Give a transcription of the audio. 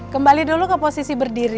kembali dulu ke posisi berdiri